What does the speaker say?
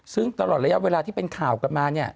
ซึ่งตลอดระยะเวลาที่เป็นข่าวกันมาเนี่ย